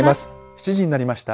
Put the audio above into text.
７時になりました。